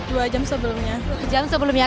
dua jam sebelumnya